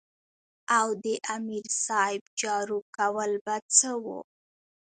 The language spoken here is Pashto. او د امیر صېب جارو کول به څۀ وو ـ